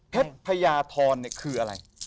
แพทยาทรคืออะไร